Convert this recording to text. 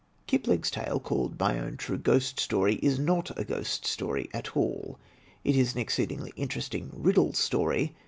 Kipling's tale called "My Own True Ghost Story" is not a ghost story at all; it is an exceedingly interesting riddle story.